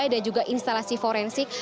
dan juga instalasi forensik